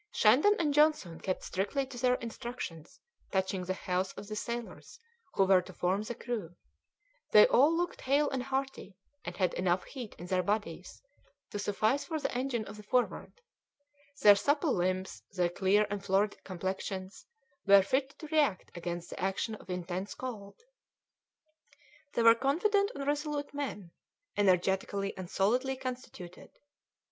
Shandon and Johnson kept strictly to their instructions touching the health of the sailors who were to form the crew; they all looked hale and hearty, and had enough heat in their bodies to suffice for the engine of the Forward; their supple limbs, their clear and florid complexions were fit to react against the action of intense cold. They were confident and resolute men, energetically and solidly constituted.